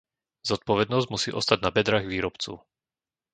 Zodpovednosť musí ostať na bedrách výrobcu.